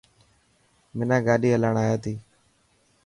منان گاڏي هلائڻ آي ٿي.